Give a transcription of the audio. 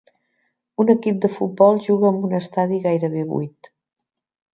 Un equip de futbol juga amb un estadi gairebé buit.